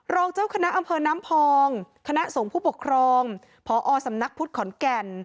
รองเจ้าคณะอำเภอน้ำพองคณะสงฆ์ผู้ปกครองพอสำนักพุทธขอนแก่น